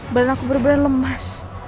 bener bener aku lemas